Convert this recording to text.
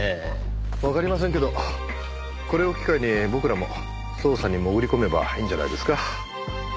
わかりませんけどこれを機会に僕らも捜査に潜り込めばいいんじゃないですか？